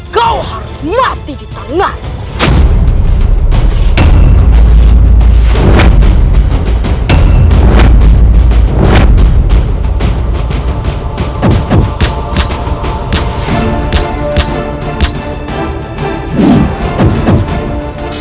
kau harus mati di tangan